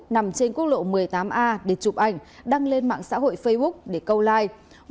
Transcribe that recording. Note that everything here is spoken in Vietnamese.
nằm trên quốc lộ một mươi tám a để chụp ảnh đăng lên mạng xã hội facebook để câu like